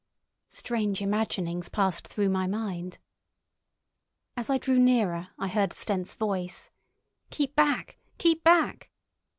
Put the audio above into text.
Strange imaginings passed through my mind. As I drew nearer I heard Stent's voice: "Keep back! Keep back!"